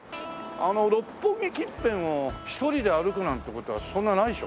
あの六本木近辺を一人で歩くなんて事はそんなないでしょ？